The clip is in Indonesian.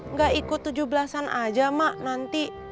nggak ikut tujuh belasan aja mak nanti